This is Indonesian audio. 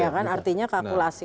iya kan artinya kalkulasi